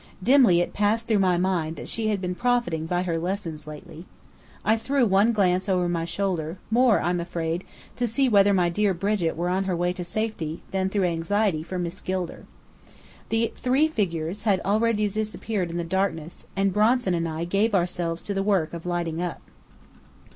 Dimly it passed through my mind that she had been profiting by her lessons lately. I threw one glance over my shoulder, more, I'm afraid, to see whether my dear Brigit were on her way to safety than through anxiety for Miss Gilder. The three figures had already disappeared in the darkness, and Bronson and I gave ourselves to the work of lighting up.